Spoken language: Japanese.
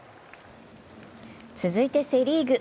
続いてセ・リーグ。